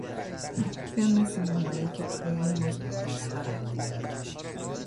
فیلم سینمایی که پایانی حزن انگیز دارد.